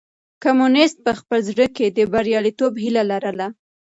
کمونيسټ په خپل زړه کې د برياليتوب هيله لرله.